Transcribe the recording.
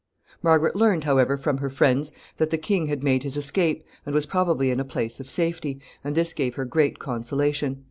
Margaret learned, however, from her friends that the king had made his escape, and was probably in a place of safety, and this gave her great consolation.